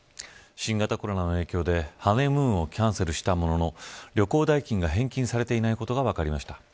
新型コロナの影響でハネムーンをキャンセルしたものの旅行代金が返金されていないことが分かりました。